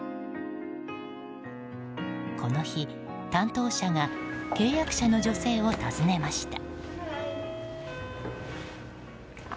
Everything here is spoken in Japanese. この日、担当者が契約者の女性を訪ねました。